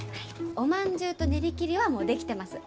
おまんじゅうと練り切りはもうできてます。